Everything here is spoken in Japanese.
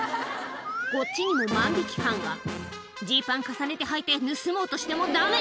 こっちにも万引犯が「ジーパン重ねてはいて盗もうとしてもダメ！